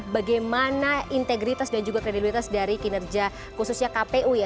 bagaimana integritas dan juga kredibilitas dari kinerja khususnya kpu ya